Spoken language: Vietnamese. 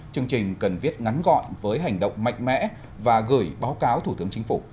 chương trình cần viết ngắn gọn với hành động mạnh mẽ và gửi báo cáo thủ tướng chính phủ